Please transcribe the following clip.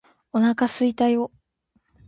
お腹すいたよ！！！！！